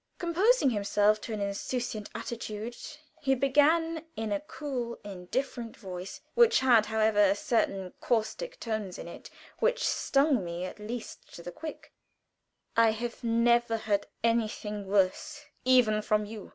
Composing himself to an insouciant attitude, he began in a cool, indifferent voice, which had, however, certain caustic tones in it which stung me at least to the quick: "I never heard anything worse, even from you.